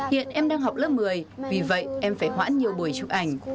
hiện em đang học lớp một mươi vì vậy em phải hoãn nhiều buổi chụp ảnh